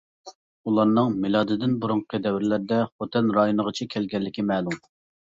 ئۇلارنىڭ مىلادىدىن بۇرۇنقى دەۋرلەردە خوتەن رايونىغىچە كەلگەنلىكى مەلۇم.